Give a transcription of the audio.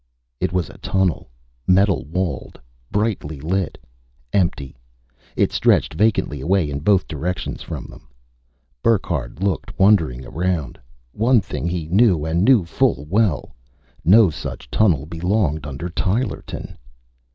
It was a tunnel, metal walled, brightly lit. Empty, it stretched vacantly away in both directions from them. Burckhardt looked wondering around. One thing he knew and knew full well: No such tunnel belonged under Tylerton.